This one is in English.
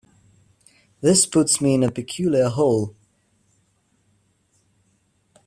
This puts me in a peculiar hole.